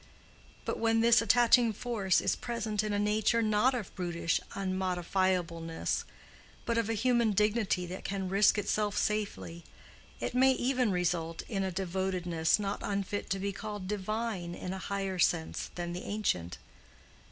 But when this attaching force is present in a nature not of brutish unmodifiableness, but of a human dignity that can risk itself safely, it may even result in a devotedness not unfit to be called divine in a higher sense than the ancient.